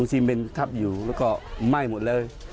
ซีเมนทับอยู่แล้วก็ไหม้หมดเลย